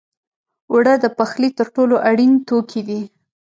اوړه د پخلي تر ټولو اړین توکي دي